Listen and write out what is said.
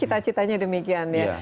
cita citanya demikian ya